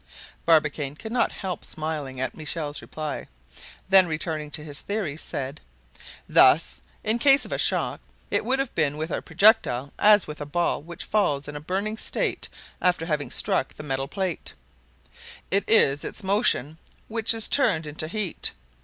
Barbicane could not help smiling at Michel's reply; then, returning to his theory, said: "Thus, in case of a shock, it would have been with our projectile as with a ball which falls in a burning state after having struck the metal plate; it is its motion which is turned into heat.